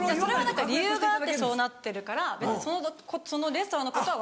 理由があってそうなってるからそのレストランのことは忘れてた。